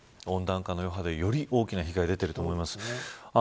温暖化の余波で、より多くの被害が出ていると思います。